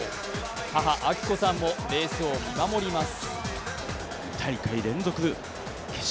母、明子さんもレースを見守ります。